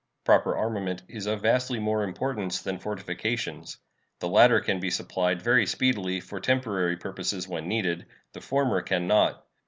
Proper armament is of vastly more importance than fortifications. The latter can be supplied very speedily for temporary purposes when needed; the former can not.